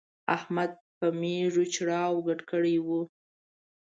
احمد په مېږو چړاو ګډ کړی وو.